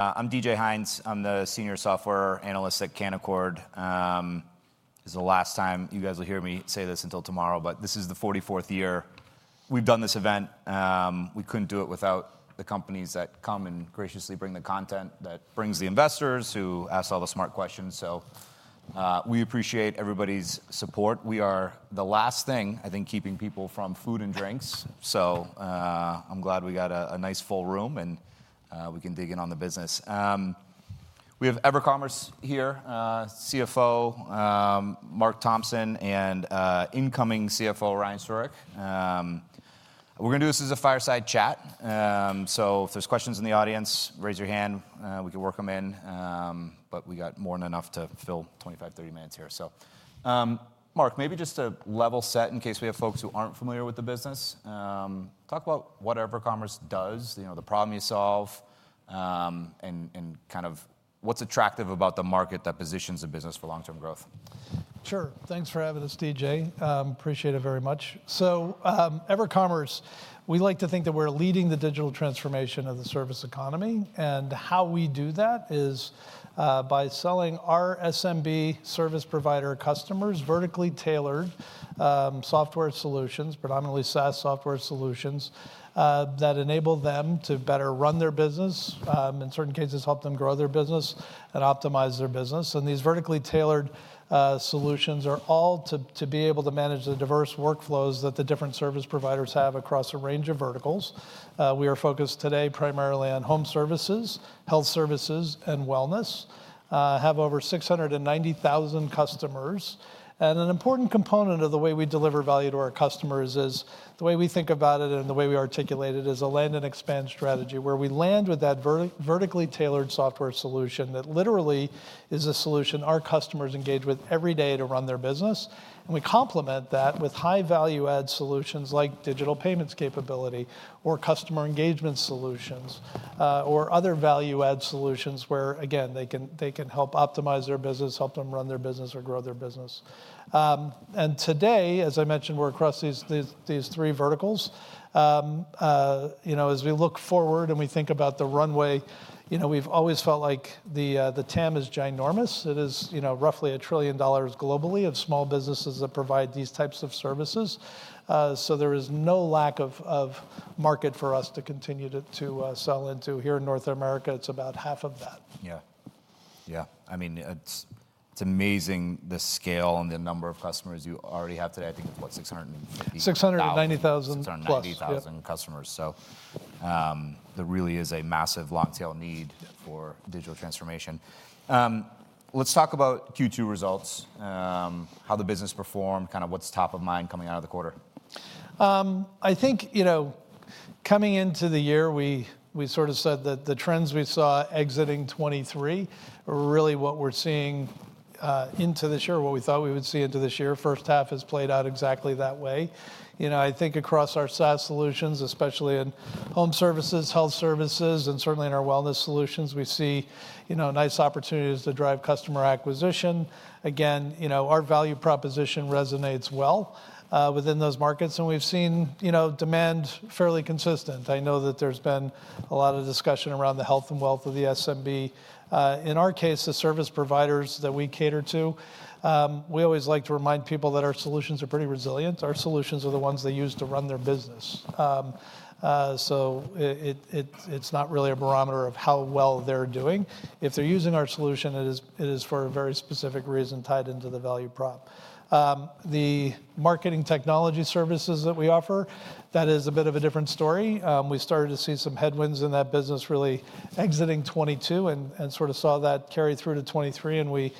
I'm DJ Hynes. I'm the senior software analyst at Canaccord. This is the last time you guys will hear me say this until tomorrow, but this is the 44th year we've done this event. We couldn't do it without the companies that come and graciously bring the content that brings the investors, who ask all the smart questions. So, we appreciate everybody's support. We are the last thing, I think, keeping people from food and drinks. So, I'm glad we got a nice full room, and we can dig in on the business. We have EverCommerce here, CFO, Marc Thompson, and incoming CFO, Ryan Siurek. We're going to do this as a fireside chat. So if there's questions in the audience, raise your hand, we can work them in, but we got more than enough to fill 25-30 minutes here. So, Marc, maybe just to level set in case we have folks who aren't familiar with the business, talk about what EverCommerce does, you know, the problem you solve, and kind of what's attractive about the market that positions the business for long-term growth. Sure. Thanks for having us, DJ. Appreciate it very much. So, EverCommerce, we like to think that we're leading the digital transformation of the service economy, and how we do that is by selling our SMB service provider customers vertically tailored software solutions, predominantly SaaS software solutions, that enable them to better run their business, in certain cases, help them grow their business and optimize their business. And these vertically tailored solutions are all to be able to manage the diverse workflows that the different service providers have across a range of verticals. We are focused today primarily on home services, health services, and wellness. Have over 690,000 customers. An important component of the way we deliver value to our customers is, the way we think about it and the way we articulate it, is a land and expand strategy, where we land with that vertically tailored software solution that literally is a solution our customers engage with every day to run their business. We complement that with high value add solutions like digital payments capability or customer engagement solutions or other value add solutions, where, again, they can help optimize their business, help them run their business, or grow their business. Today, as I mentioned, we're across these three verticals. You know, as we look forward and we think about the runway, you know, we've always felt like the TAM is ginormous. It is, you know, roughly $1 trillion globally of small businesses that provide these types of services. So there is no lack of market for us to continue to sell into. Here in North America, it's about $500 billion. Yeah. Yeah. I mean, it's, it's amazing the scale and the number of customers you already have today. I think it's, what? 650- 690,000+. 690,000 customers. So, there really is a massive long-tail need for digital transformation. Let's talk about Q2 results, how the business performed, kind of what's top of mind coming out of the quarter. I think, you know, coming into the year, we sort of said that the trends we saw exiting 2023 are really what we're seeing into this year, what we thought we would see into this year. First half has played out exactly that way. You know, I think across our SaaS solutions, especially in home services, health services, and certainly in our wellness solutions, we see, you know, nice opportunities to drive customer acquisition. Again, you know, our value proposition resonates well within those markets, and we've seen, you know, demand fairly consistent. I know that there's been a lot of discussion around the health and wealth of the SMB. In our case, the service providers that we cater to, we always like to remind people that our solutions are pretty resilient. Our solutions are the ones they use to run their business. So it's not really a barometer of how well they're doing. If they're using our solution, it is for a very specific reason tied into the value prop. The marketing technology services that we offer, that is a bit of a different story. We started to see some headwinds in that business really exiting 2022 and sort of saw that carry through to 2023, and we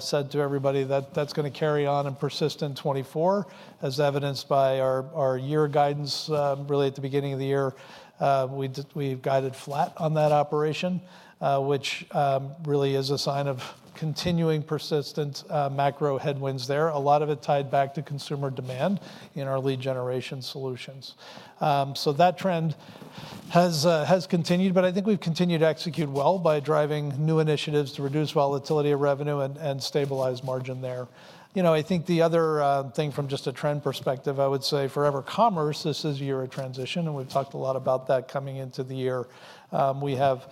said to everybody that that's gonna carry on and persist in 2024, as evidenced by our year guidance. Really, at the beginning of the year, we guided flat on that operation, which really is a sign of continuing persistent macro headwinds there. A lot of it tied back to consumer demand in our lead generation solutions. So that trend has continued, but I think we've continued to execute well by driving new initiatives to reduce volatility of revenue and stabilize margin there. You know, I think the other thing from just a trend perspective, I would say for EverCommerce, this is a year of transition, and we've talked a lot about that coming into the year. We have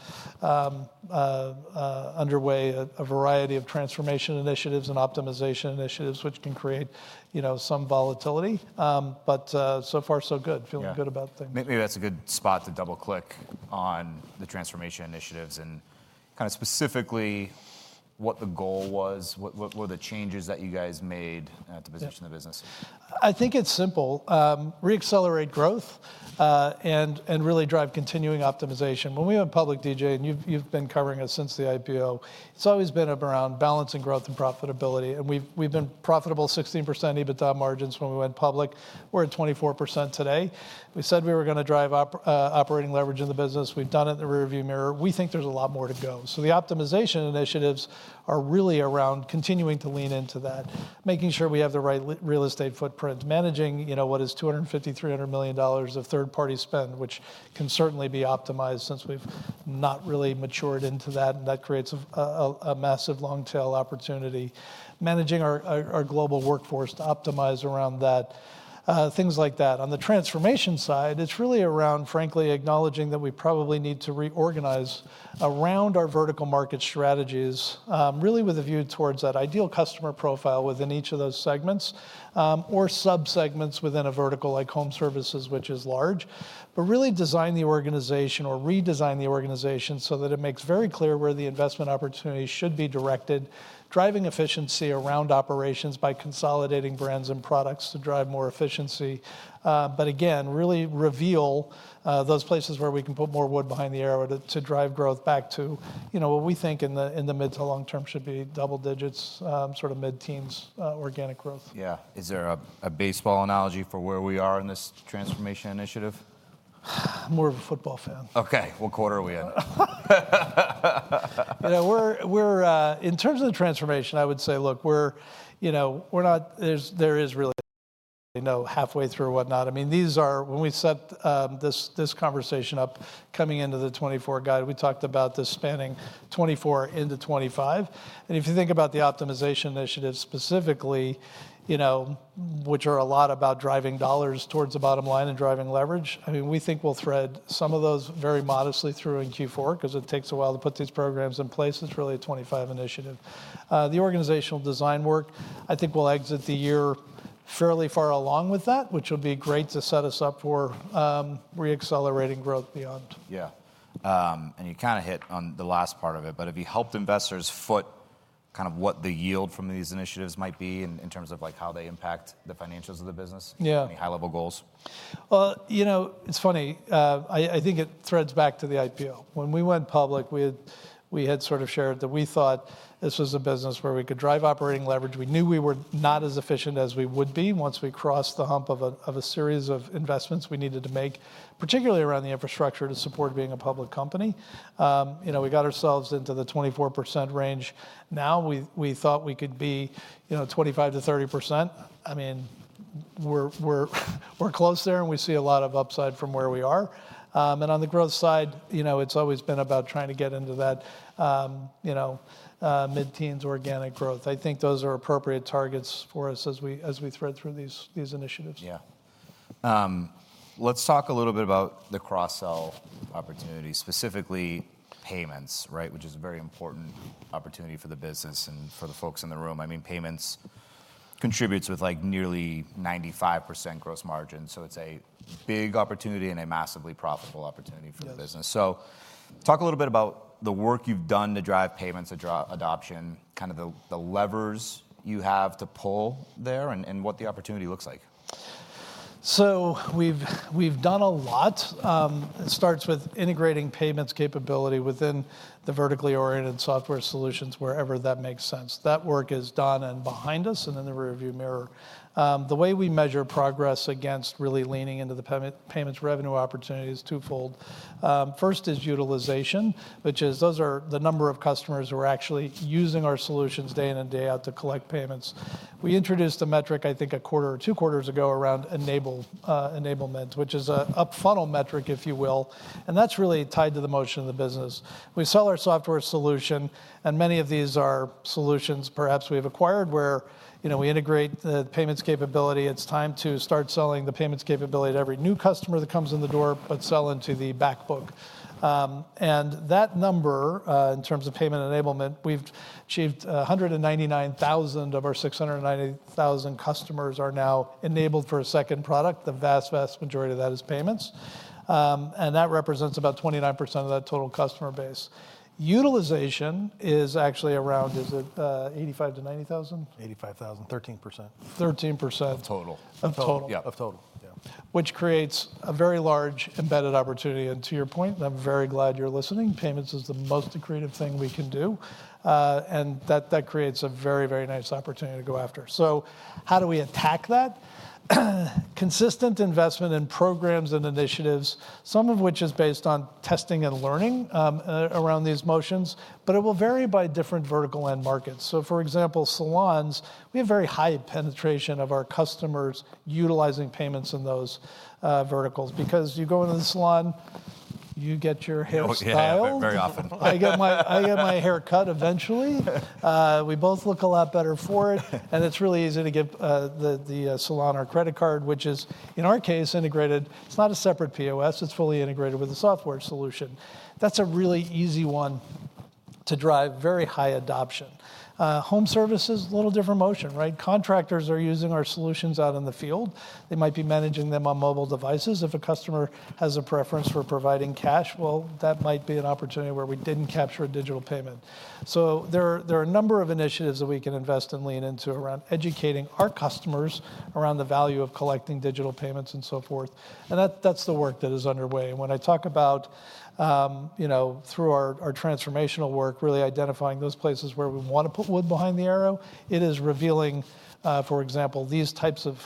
underway a variety of transformation initiatives and optimization initiatives, which can create, you know, some volatility. But so far, so good. Yeah. Feeling good about things. Maybe that's a good spot to double-click on the transformation initiatives and kind of specifically what the goal was, what were the changes that you guys made. Yeah... to position the business? I think it's simple: reaccelerate growth, and really drive continuing optimization. When we went public, DJ, and you've been covering us since the IPO, it's always been around balancing growth and profitability, and we've been profitable 16% EBITDA margins when we went public, we're at 24% today. We said we were gonna drive operating leverage in the business. We've done it in the rearview mirror. We think there's a lot more to go. So the optimization initiatives are really around continuing to lean into that, making sure we have the right real estate footprint, managing, you know, what is $250-$300 million of third-party spend, which can certainly be optimized since we've not really matured into that, and that creates a massive long-tail opportunity. Managing our global workforce to optimize around that, things like that. On the transformation side, it's really around, frankly, acknowledging that we probably need to reorganize around our vertical market strategies, really with a view towards that ideal customer profile within each of those segments, or subsegments within a vertical, like home services, which is large. But really design the organization or redesign the organization so that it makes very clear where the investment opportunities should be directed, driving efficiency around operations by consolidating brands and products to drive more efficiency. But again, really reveal those places where we can put more wood behind the arrow to drive growth back to, you know, what we think in the mid to long term should be double digits, sort of mid-teens, organic growth. Yeah. Is there a baseball analogy for where we are in this transformation initiative? I'm more of a football fan. Okay, what quarter are we in? You know, we're in terms of the transformation, I would say, look, we're not. There's really no halfway through or whatnot. I mean, these are. When we set this conversation up coming into the 2024 guide, we talked about this spanning 2024 into 2025. If you think about the optimization initiative specifically, you know, which are a lot about driving dollars towards the bottom line and driving leverage, I mean, we think we'll thread some of those very modestly through in Q4, 'cause it takes a while to put these programs in place. It's really a 2025 initiative. The organizational design work, I think we'll exit the year fairly far along with that, which will be great to set us up for reaccelerating growth beyond. Yeah. And you kinda hit on the last part of it, but have you helped investors foot kind of what the yield from these initiatives might be in terms of, like, how they impact the financials of the business? Yeah. Any high-level goals? Well, you know, it's funny, I, I think it threads back to the IPO. When we went public, we had, we had sort of shared that we thought this was a business where we could drive operating leverage. We knew we were not as efficient as we would be once we crossed the hump of a, of a series of investments we needed to make, particularly around the infrastructure to support being a public company. You know, we got ourselves into the 24% range. Now, we, we thought we could be, you know, 25%-30%. I mean, we're, we're, we're close there, and we see a lot of upside from where we are. And on the growth side, you know, it's always been about trying to get into that, you know, mid-teens organic growth. I think those are appropriate targets for us as we thread through these initiatives. Yeah. Let's talk a little bit about the cross-sell opportunity, specifically payments, right? Which is a very important opportunity for the business and for the folks in the room. I mean, payments contributes with, like, nearly 95% gross margin, so it's a big opportunity and a massively profitable opportunity- Yeah... for the business. So talk a little bit about the work you've done to drive payments adoption, kind of the levers you have to pull there, and what the opportunity looks like. So we've done a lot. It starts with integrating payments capability within the vertically oriented software solutions, wherever that makes sense. That work is done and behind us and in the rearview mirror. The way we measure progress against really leaning into the payments revenue opportunity is twofold. First is utilization, which is, those are the number of customers who are actually using our solutions day in and day out to collect payments. We introduced a metric, I think, a quarter or two quarters ago, around enablement, which is a up-funnel metric, if you will, and that's really tied to the motion of the business. We sell our software solution, and many of these are solutions perhaps we've acquired, where, you know, we integrate the payments capability. It's time to start selling the payments capability to every new customer that comes in the door, but sell into the backbook. And that number, in terms of payment enablement, we've achieved 199,000 of our 690,000 customers are now enabled for a second product. The vast, vast majority of that is payments, and that represents about 29% of that total customer base. Utilization is actually around, is it, 85,000-90,000? 85,000, 13%. 13%. Of total. Of total. Yeah. Of total. Yeah. Which creates a very large embedded opportunity. And to your point, I'm very glad you're listening, payments is the most accretive thing we can do, and that, that creates a very, very nice opportunity to go after. So how do we attack that? Consistent investment in programs and initiatives, some of which is based on testing and learning around these motions, but it will vary by different vertical end markets. So, for example, salons, we have very high penetration of our customers utilizing payments in those verticals, because you go into the salon, you get your hair styled. Yeah, very often. I get my hair cut eventually. We both look a lot better for it. And it's really easy to give the salon our credit card, which is, in our case, integrated. It's not a separate POS. It's fully integrated with the software solution. That's a really easy one to drive very high adoption. Home services, a little different motion, right? Contractors are using our solutions out in the field. They might be managing them on mobile devices. If a customer has a preference for providing cash, well, that might be an opportunity where we didn't capture a digital payment. So there are a number of initiatives that we can invest and lean into around educating our customers around the value of collecting digital payments and so forth, and that's the work that is underway. When I talk about, you know, through our transformational work, really identifying those places where we wanna put wood behind the arrow, it is revealing, for example, these types of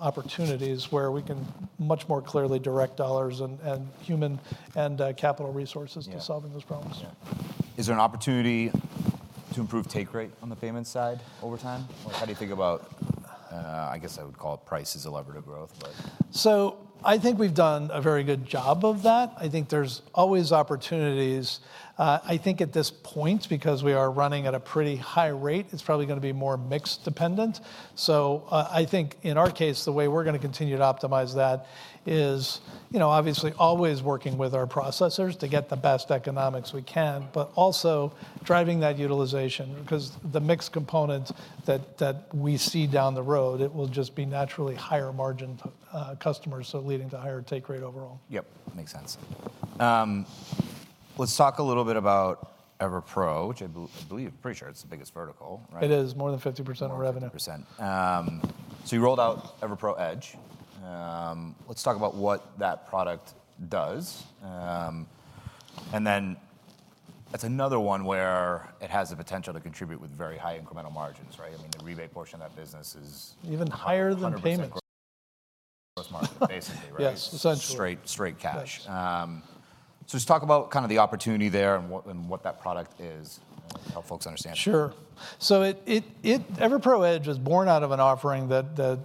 opportunities where we can much more clearly direct dollars and human and capital resources- Yeah... to solving those problems. Yeah. Is there an opportunity to improve take rate on the payment side over time? Or how do you think about, I guess I would call it price as a lever to growth, but... So I think we've done a very good job of that. I think there's always opportunities. I think at this point, because we are running at a pretty high rate, it's probably gonna be more mix dependent. So, I think in our case, the way we're gonna continue to optimize that is, you know, obviously always working with our processors to get the best economics we can, but also driving that utilization, 'cause the mix component that we see down the road, it will just be naturally higher-margin customers, so leading to higher take rate overall. Yep, makes sense. Let's talk a little bit about EverPro, which I believe, pretty sure it's the biggest vertical, right? It is more than 50% of our revenue. More than 50%. So you rolled out EverPro Edge. Let's talk about what that product does. That's another one where it has the potential to contribute with very high incremental margins, right? I mean, the rebate portion of that business is- Even higher than payments. 100% gross margin, basically, right? Yes, essentially. Straight, straight cash. Yes. Just talk about kind of the opportunity there and what that product is. Help folks understand. Sure. So it, EverPro Edge was born out of an offering that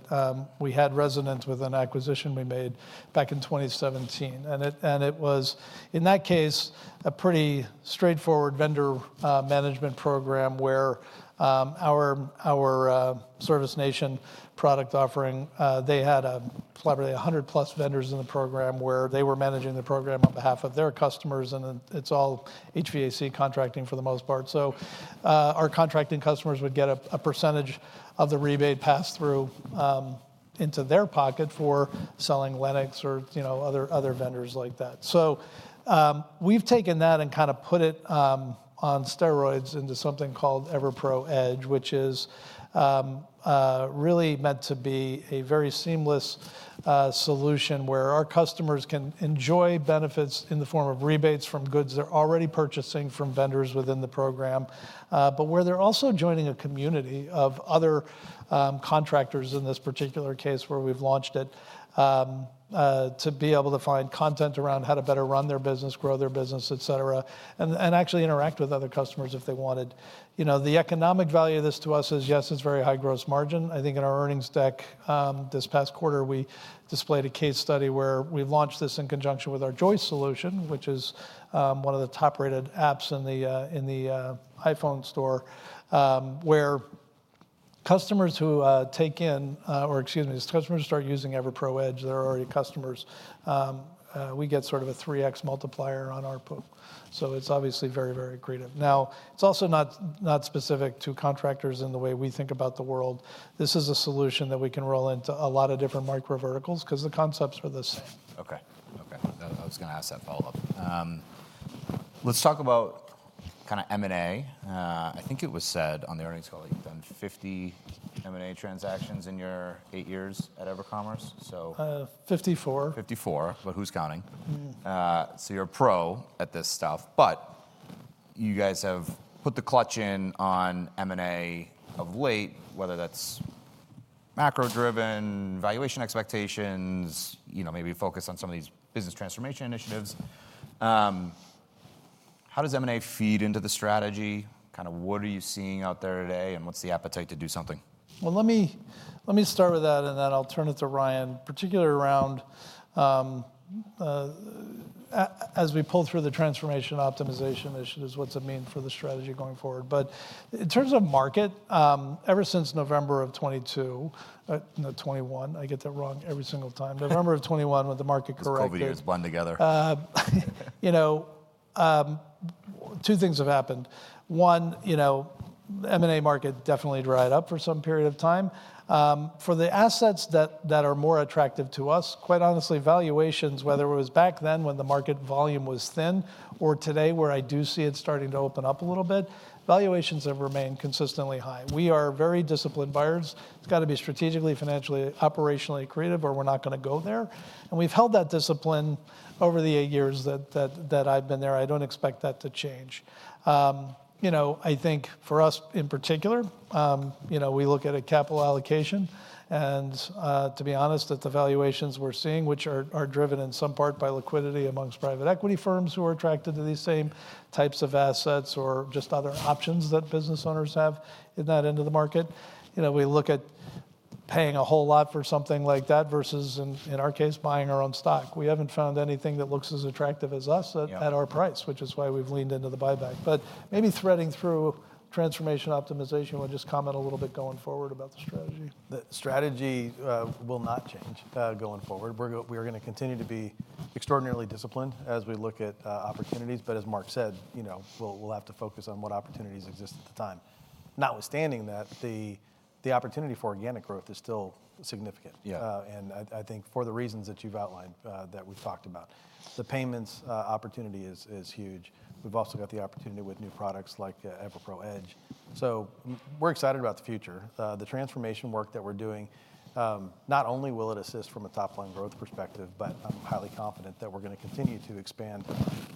we had resonance with an acquisition we made back in 2017. And it was, in that case, a pretty straightforward vendor management program, where our Service Nation product offering, they had probably 100+ vendors in the program, where they were managing the program on behalf of their customers, and then it's all HVAC contracting for the most part. So our contracting customers would get a percentage of the rebate pass-through into their pocket for selling Lennox or, you know, other vendors like that. So, we've taken that and kind of put it on steroids into something called EverPro Edge, which is really meant to be a very seamless solution, where our customers can enjoy benefits in the form of rebates from goods they're already purchasing from vendors within the program. But where they're also joining a community of other contractors in this particular case, where we've launched it to be able to find content around how to better run their business, grow their business, et cetera, and actually interact with other customers if they wanted. You know, the economic value of this to us is, yes, it's very high gross margin. I think in our earnings deck this past quarter, we displayed a case study where we launched this in conjunction with our Joist solution, which is one of the top-rated apps in the iPhone store, where, or excuse me, as customers start using EverPro Edge, they're already customers, we get sort of a 3x multiplier on our pool. So it's obviously very, very creative. Now, it's also not specific to contractors in the way we think about the world. This is a solution that we can roll into a lot of different micro verticals because the concepts are the same. Okay. Okay, I was gonna ask that follow-up. Let's talk about kind of M&A. I think it was said on the earnings call, you've done 50 M&A transactions in your 8 years at EverCommerce, so- Uh, 54. 54, but who's counting? Mm. So, you're a pro at this stuff, but you guys have put the clutch in on M&A of late, whether that's macro-driven, valuation expectations, you know, maybe focus on some of these business transformation initiatives. How does M&A feed into the strategy? Kind of, what are you seeing out there today, and what's the appetite to do something? Well, let me start with that, and then I'll turn it to Ryan, particularly around as we pull through the transformation optimization initiatives, what's it mean for the strategy going forward? But in terms of market, ever since November of 2022, no, 2021, I get that wrong every single time. November of 2021, when the market corrected- Those COVID years blend together. You know, two things have happened. One, you know, M&A market definitely dried up for some period of time. For the assets that are more attractive to us, quite honestly, valuations, whether it was back then when the market volume was thin or today, where I do see it starting to open up a little bit, valuations have remained consistently high. We are very disciplined buyers. It's got to be strategically, financially, operationally creative, or we're not gonna go there. And we've held that discipline over the eight years that I've been there. I don't expect that to change. You know, I think for us, in particular, you know, we look at a capital allocation, and to be honest, that the valuations we're seeing, which are driven in some part by liquidity amongst private equity firms who are attracted to these same types of assets, or just other options that business owners have in that end of the market. You know, we look at paying a whole lot for something like that, versus in our case, buying our own stock. We haven't found anything that looks as attractive as us- Yeah... at our price, which is why we've leaned into the buyback. But maybe threading through transformation optimization, we'll just comment a little bit going forward about the strategy. The strategy will not change going forward. We are gonna continue to be extraordinarily disciplined as we look at opportunities. But as Marc said, you know, we'll have to focus on what opportunities exist at the time. Notwithstanding that, the opportunity for organic growth is still significant. Yeah. I think for the reasons that you've outlined, that we've talked about, the payments opportunity is huge. We've also got the opportunity with new products like EverPro Edge. So we're excited about the future. The transformation work that we're doing not only will it assist from a top-line growth perspective, but I'm highly confident that we're gonna continue to expand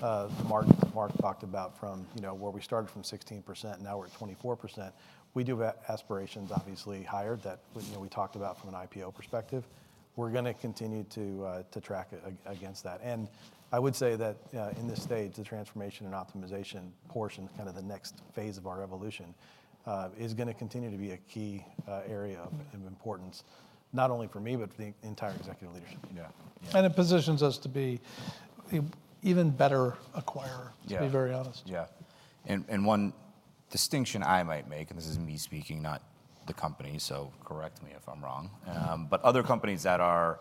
the market that Marc talked about from, you know, where we started from 16%, now we're at 24%. We do have aspirations, obviously higher, that, you know, we talked about from an IPO perspective. We're gonna continue to track against that. I would say that, in this stage, the transformation and optimization portion, kind of the next phase of our evolution, is gonna continue to be a key area of importance, not only for me, but for the entire executive leadership. Yeah. It positions us to be an even better acquirer- Yeah... to be very honest. Yeah. And one distinction I might make, and this is me speaking, not the company, so correct me if I'm wrong. But other companies that are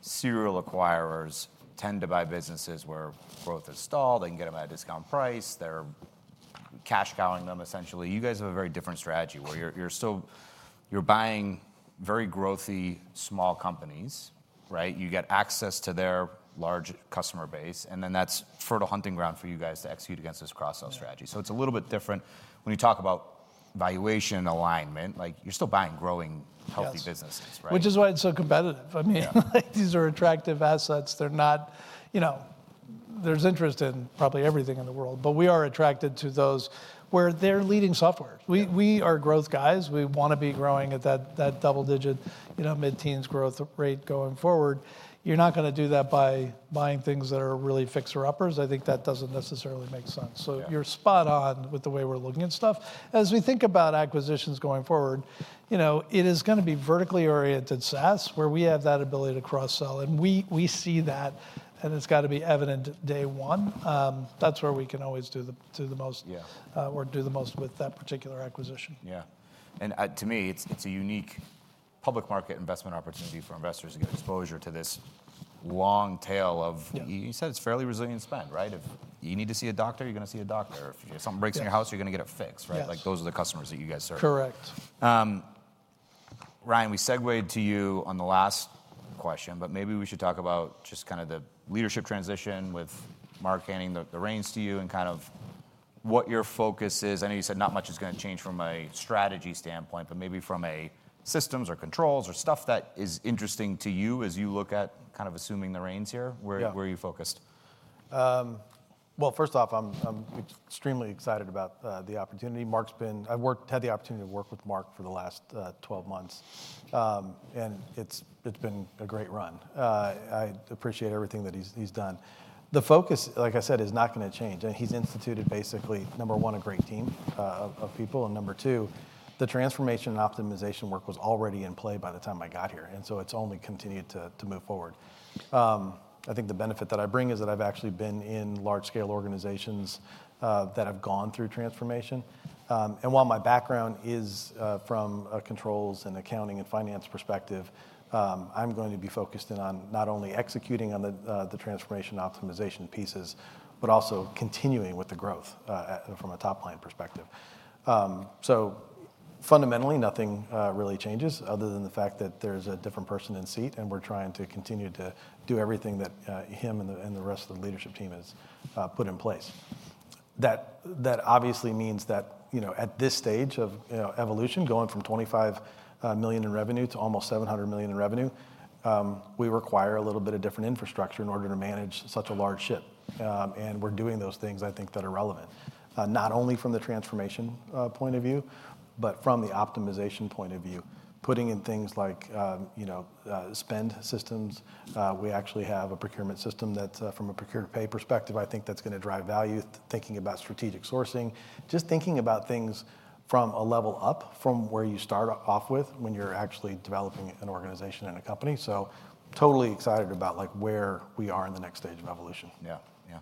serial acquirers tend to buy businesses where growth is stalled, they can get them at a discount price, they're cash cowing them, essentially. You guys have a very different strategy, where you're still buying very growthy small companies, right? You get access to their large customer base, and then that's fertile hunting ground for you guys to execute against this cross-sell strategy. Yeah. It's a little bit different when you talk about valuation alignment, like you're still buying growing, healthy- Yes -businesses, right? Which is why it's so competitive. I mean, Yeah. These are attractive assets. They're not, you know, there's interest in probably everything in the world, but we are attracted to those where they're leading software. Yeah. We are growth guys. We want to be growing at that double digit, you know, mid-teens growth rate going forward. You're not gonna do that by buying things that are really fixer-uppers. I think that doesn't necessarily make sense. Yeah. So you're spot on with the way we're looking at stuff. As we think about acquisitions going forward, you know, it is gonna be vertically oriented SaaS, where we have that ability to cross-sell, and we see that, and it's got to be evident day one. That's where we can always do the most- Yeah... or do the most with that particular acquisition. Yeah. And, to me, it's, it's a unique public market investment opportunity for investors to get exposure to this long tail of- Yeah... You said it's fairly resilient spend, right? If you need to see a doctor, you're gonna see a doctor, or if something breaks in your house- Yes -you're gonna get it fixed, right? Yes. Like, those are the customers that you guys serve. Correct. Ryan, we segued to you on the last question, but maybe we should talk about just kind of the leadership transition with Marc handing the reins to you, and kind of what your focus is. I know you said not much is gonna change from a strategy standpoint, but maybe from a systems or controls or stuff that is interesting to you as you look at kind of assuming the reins here. Yeah. Where, where are you focused? Well, first off, I'm extremely excited about the opportunity. Marc's been. I've had the opportunity to work with Marc for the last 12 months, and it's been a great run. I appreciate everything that he's done. The focus, like I said, is not gonna change. And he's instituted basically, number one, a great team of people, and number two, the transformation and optimization work was already in play by the time I got here, and so it's only continued to move forward. I think the benefit that I bring is that I've actually been in large-scale organizations that have gone through transformation. While my background is from a controls and accounting and finance perspective, I'm going to be focused in on not only executing on the transformation optimization pieces, but also continuing with the growth from a top-line perspective. So fundamentally, nothing really changes other than the fact that there's a different person in seat, and we're trying to continue to do everything that him and the rest of the leadership team has put in place. That obviously means that, you know, at this stage of, you know, evolution, going from $25 million in revenue to almost $700 million in revenue, we require a little bit of different infrastructure in order to manage such a large ship. We're doing those things, I think, that are relevant, not only from the transformation point of view, but from the optimization point of view. Putting in things like, you know, spend systems. We actually have a procurement system that, from a procure-to-pay perspective, I think that's gonna drive value. Thinking about strategic sourcing, just thinking about things from a level up from where you start off with when you're actually developing an organization and a company. So totally excited about, like, where we are in the next stage of evolution. Yeah, yeah.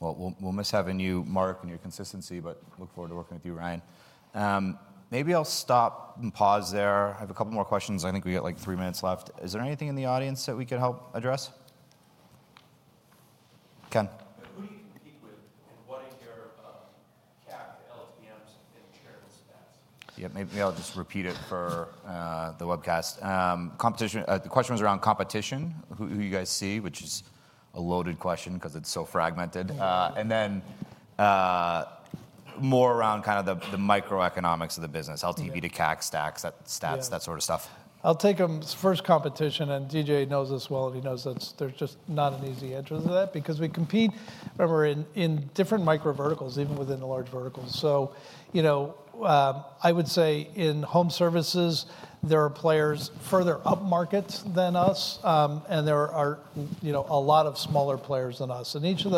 Well, we'll, we'll miss having you, Marc, and your consistency, but look forward to working with you, Ryan. Maybe I'll stop and pause there. I have a couple more questions. I think we got, like, three minutes left. Is there anything in the audience that we could help address? Ken? Who do you compete with, and what is your CAC, LTVs, and churn Stats? Yeah, maybe I'll just repeat it for the webcast. Competition, the question was around competition. Who, who you guys see, which is a loaded question because it's so fragmented. Yeah. and then more around kind of the microeconomics of the business- Yeah... LTV to CAC stacks, that stats- Yeah that sort of stuff. I'll take them. First, competition, and DJ knows this well, and he knows that there's just not an easy answer to that because we compete, remember, in different micro verticals, even within the large verticals. So, you know, I would say in home services, there are players further upmarket than us, and there are, you know, a lot of smaller players than us. In each of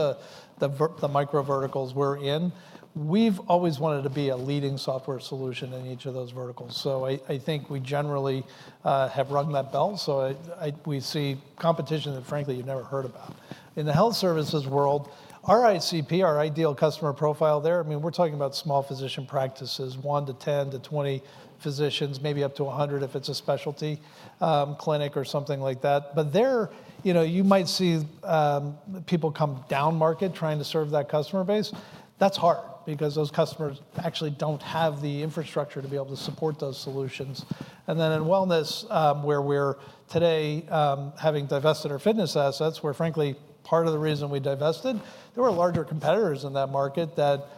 the micro verticals we're in, we've always wanted to be a leading software solution in each of those verticals. So I think we generally have rung that bell. We see competition that, frankly, you've never heard about. In the health services world, our ICP, our Ideal Customer Profile there, I mean, we're talking about small physician practices, one to 10 to 20 physicians, maybe up to 100 if it's a specialty, clinic or something like that. But there, you know, you might see, people come downmarket trying to serve that customer base. That's hard because those customers actually don't have the infrastructure to be able to support those solutions. And then in wellness, where we're today, having divested our fitness assets, where frankly, part of the reason we divested, there were larger competitors in that market that,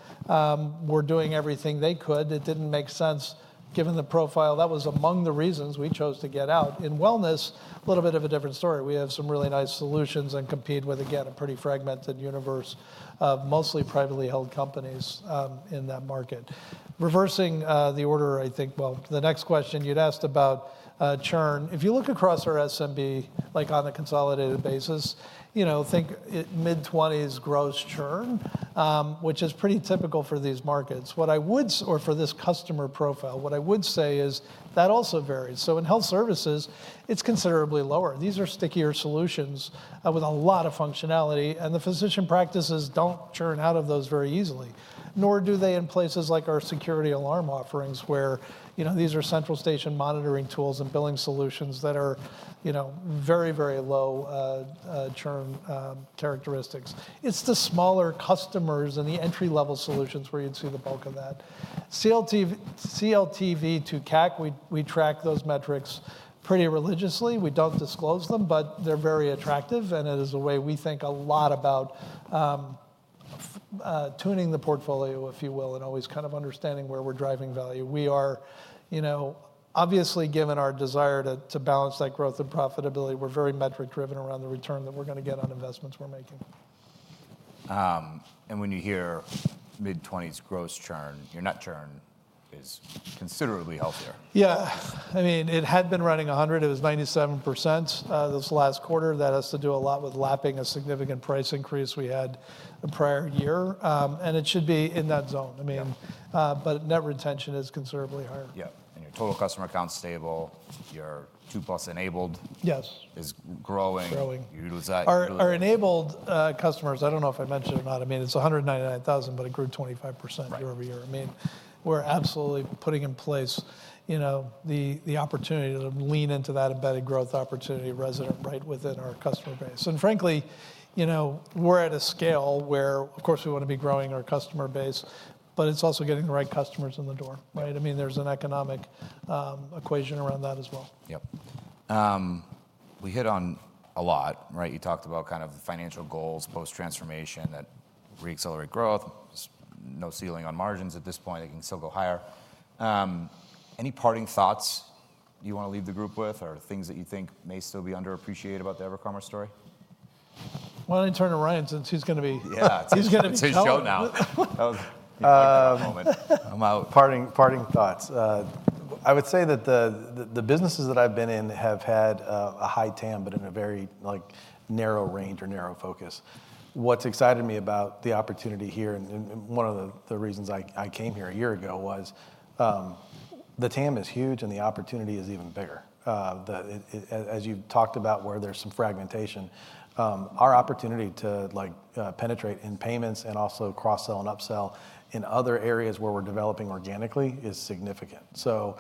were doing everything they could. It didn't make sense, given the profile. That was among the reasons we chose to get out. In wellness, a little bit of a different story. We have some really nice solutions and compete with, again, a pretty fragmented universe, mostly privately held companies, in that market. Reversing the order, I think, well, the next question you'd asked about, churn. If you look across our SMB, like on a consolidated basis, you know, think it mid-20s gross churn, which is pretty typical for these markets. What I would or for this customer profile, what I would say is that also varies. So in health services, it's considerably lower. These are stickier solutions, with a lot of functionality, and the physician practices don't churn out of those very easily, nor do they in places like our security alarm offerings, where, you know, these are central station monitoring tools and billing solutions that are, you know, very, very low churn characteristics. It's the smaller customers and the entry-level solutions where you'd see the bulk of that. CLTV, CLTV to CAC, we track those metrics pretty religiously. We don't disclose them, but they're very attractive, and it is a way we think a lot about tuning the portfolio, if you will, and always kind of understanding where we're driving value. We are, you know, obviously, given our desire to balance that growth and profitability, we're very metric-driven around the return that we're gonna get on investments we're making. When you hear mid-20s gross churn, your net churn is considerably healthier. Yeah. I mean, it had been running 100. It was 97%, this last quarter. That has to do a lot with lapping a significant price increase we had the prior year. And it should be in that zone. I mean- Yeah. But net retention is considerably higher. Yeah, and your total customer count's stable, your two-plus enabled- Yes is growing. Growing. You lose that- Our enabled customers, I don't know if I mentioned them or not, I mean, it's 199,000, but it grew 25%- Right... year-over-year. I mean, we're absolutely putting in place, you know, the, the opportunity to lean into that embedded growth opportunity resident right within our customer base. And frankly, you know, we're at a scale where, of course, we want to be growing our customer base, but it's also getting the right customers in the door, right? I mean, there's an economic equation around that as well. Yep. We hit on a lot, right? You talked about kind of the financial goals, post-transformation, that re-accelerate growth. No ceiling on margins at this point. It can still go higher. Any parting thoughts you want to leave the group with, or things that you think may still be underappreciated about the EverCommerce story? Why don't I turn to Ryan since he's gonna be- Yeah. He's gonna be- It's his show now. That was... moment. I'm out. Parting thoughts. I would say that the businesses that I've been in have had a high TAM, but in a very, like, narrow range or narrow focus. What's excited me about the opportunity here, and one of the reasons I came here a year ago, was the TAM is huge, and the opportunity is even bigger. As you talked about, where there's some fragmentation, our opportunity to, like, penetrate in payments and also cross-sell and upsell in other areas where we're developing organically is significant. So,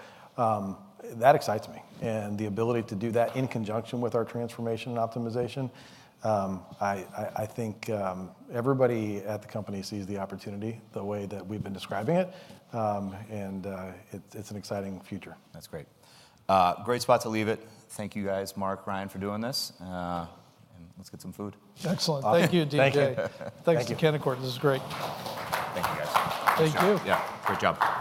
that excites me, and the ability to do that in conjunction with our transformation and optimization, I think everybody at the company sees the opportunity the way that we've been describing it. And it's an exciting future. That's great. Great spot to leave it. Thank you, guys, Marc, Ryan, for doing this. And let's get some food. Excellent. Thank you, DJ. Thank you. Thanks to Canaccord. This was great. Thank you, guys. Thank you. Yeah, great job.